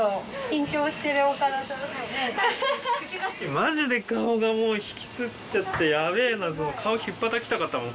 マジで顔がもうひきつっちゃってヤベぇなこれ顔引っぱたきたかったもん